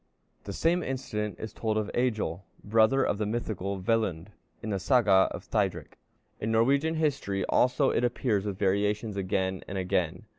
'" The same incident is told of Egil, brother of the mythical Velundr, in the Saga of Thidrik. In Norwegian history also it appears with variations again and again.